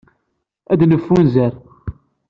Ad neffunzer.